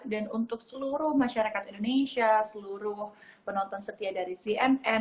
dan untuk seluruh masyarakat indonesia seluruh penonton setia dari cnn